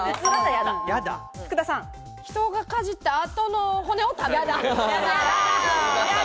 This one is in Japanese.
人がかじった後の骨を食べる。